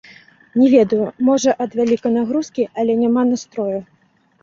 Не ведаю, можа, ад вялікай нагрузкі, але няма настрою!